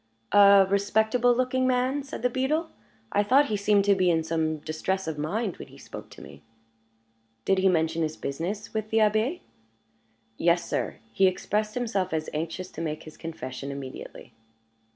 "A respectable looking man," said the beadle. "I thought he seemed to be in some distress of mind when he spoke to me." "Did he mention his business with the Abbé?" "Yes, sir; he expressed himself as anxious to make his confession immediately."